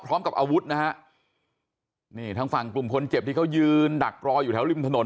พร้อมกับอาวุธนะฮะนี่ทางฝั่งกลุ่มคนเจ็บที่เขายืนดักรออยู่แถวริมถนน